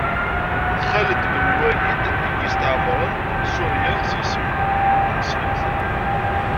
D Xaled Ben Lwalid i yestɛemren Surya s yisem n tneslemt.